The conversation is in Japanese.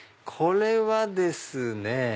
これはですね。